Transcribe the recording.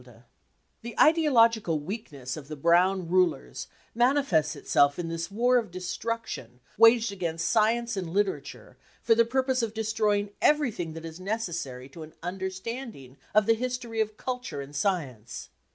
THE CAMPAIGN AGAINST CULTURE 1 75 The ideological weakness of the Brown rulers manifests itself in this war of destruction waged against science and literature for the purpose of destroying everything that is necessary to an understanding of the history of culture and science.